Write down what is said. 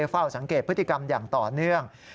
เฝ้าสังเกตพฤติกรรมอย่างต่อเนื่อง